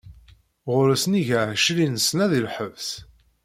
Ɣur-s nnig ɛecrin-sna di lḥebs.